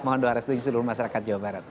mohon doa restui seluruh masyarakat jawa barat